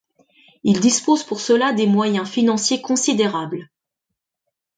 Il dispose pour cela des moyens financiers considérables.